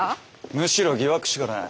むしろ疑惑しかない。